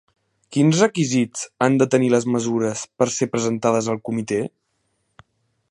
Quins requisits han de tenir les mesures per ser presentades al Comitè?